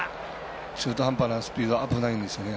中途半端なスピード危ないんですよね。